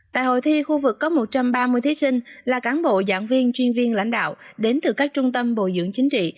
tại hội thi khu vực có một trăm ba mươi thí sinh là cán bộ giảng viên chuyên viên lãnh đạo đến từ các trung tâm bồi dưỡng chính trị